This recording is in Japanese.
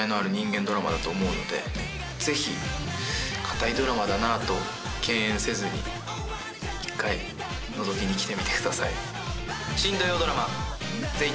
だと思うのでぜひ堅いドラマだなと敬遠せずに一回のぞきに来てみてください。